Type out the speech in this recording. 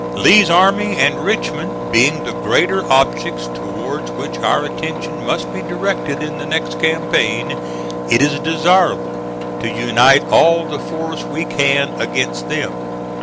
Lee's army and Richmond being the greater objects towards which our attention must be directed in the next campaign, it is desirable to unite all the force we can against them.